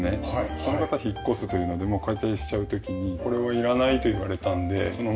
その方引っ越すと言うのでもう解体しちゃう時にこれはいらないと言われたんでそのまま。